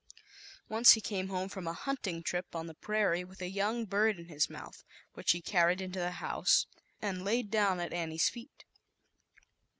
Once he came home from a hunting trip on the prairie with a young bird in his mouth, which he carried into the house and laid down at Annie's feet.